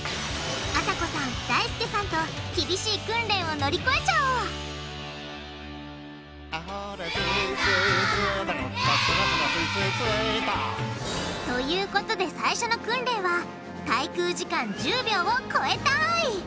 あさこさんだいすけさんと厳しい訓練を乗り越えちゃおう！ということで最初の訓練は滞空時間１０秒をこえたい！